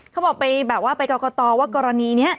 เขาบอกไปแบบว่าไปกรกตว่ากรณีนี้